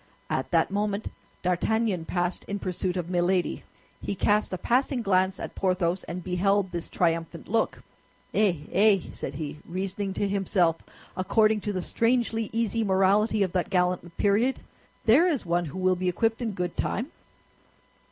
At that moment D'Artagnan passed in pursuit of Milady; he cast a passing glance at Porthos, and beheld this triumphant look. "Eh, eh!" said he, reasoning to himself according to the strangely easy morality of that gallant period, "there is one who will be equipped in good time!"